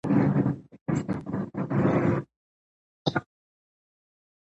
د هغه زړه په دې ښه شو چې ځان یې ژغورلی.